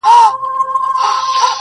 • زما زړۀ کي فقط تۀ خلکو پیدا کړې ..